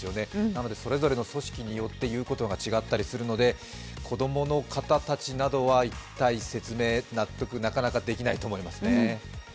なのでそれぞれの組織によって言うことが違ったりするので子供の方たちなどは、説明・納得なかなかできないと思いますね。